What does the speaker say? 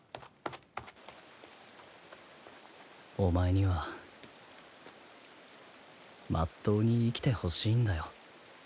お前にはまっとうに生きてほしいんだよ。